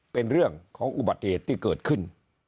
เป็นเรื่องของอุบัติเหตุที่เกิดขึ้น